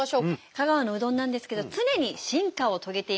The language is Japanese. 香川のうどんなんですけど常に進化を遂げています。